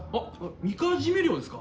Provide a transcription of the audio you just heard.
みかじめ料ですか？